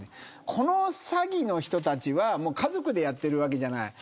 この詐欺の人たちは家族でやっているわけじゃない。